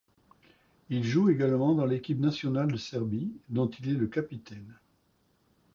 Il joue également dans l'équipe nationale de Serbie dont il est le capitaine.